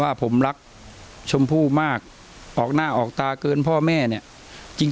ว่าผมรักชมพู่มากออกหน้าออกตาเกินพ่อแม่เนี่ยจริง